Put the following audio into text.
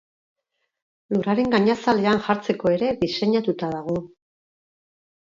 Lurraren gainazalean jartzeko ere diseinatuta dago.